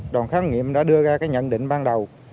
đoàn khám nghiệm đã đưa ra cái nhận định ban đầu